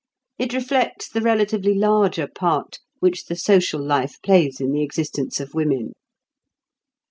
It reflects the relatively larger part which the social life plays in the existence of women.